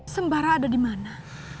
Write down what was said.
sembara ada di mana